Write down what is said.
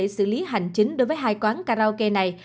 xử lý hành chính đối với hai quán karaoke này